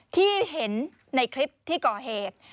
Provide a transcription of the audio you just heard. ที่เห็นในคลิปที่ก่อเหตุ